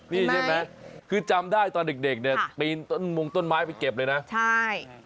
นี่ใช่ไหมคือจำได้ตอนเด็กเนี่ยปีนต้นมงต้นไม้ไปเก็บเลยนะใช่